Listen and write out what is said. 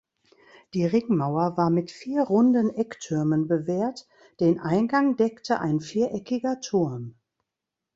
Die Ringmauer war mit vier runden Ecktürmen bewehrt, den Eingang deckte ein viereckiger Turm.